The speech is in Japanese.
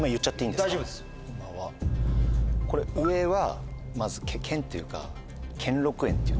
これ上はまず県っていうか。